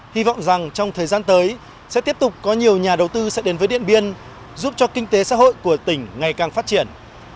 hy vọng rằng trong thời gian tới sẽ tiếp tục có nhiều nhà đầu tư sẽ đến với điện biên giúp cho kinh tế xã hội của tỉnh ngày càng phát triển